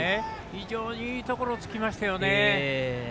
非常にいいところをつきましたよね。